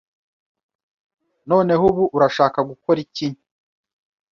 Noneho ubu urashaka gukora iki?